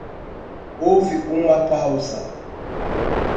Houve uma pausa.